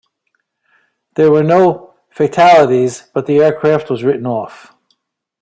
There were no fatalities, but the aircraft was written off.